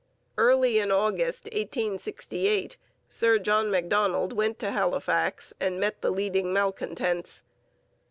Early in August 1868 Sir John Macdonald went to Halifax and met the leading malcontents.